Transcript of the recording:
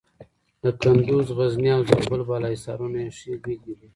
د کندز، غزني او زابل بالا حصارونه یې ښې بېلګې دي.